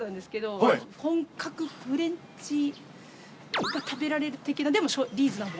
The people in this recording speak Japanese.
まずはが食べられる的なでもリーズナブル。